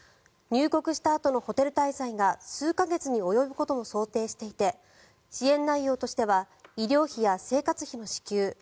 入国したあとのホテル滞在が数か月に及ぶことも想定していて支援内容としては医療費や生活費の支給